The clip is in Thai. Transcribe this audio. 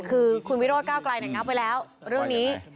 คือคุณวิโรธก้าวไกลงับไว้แล้วเรื่องนี้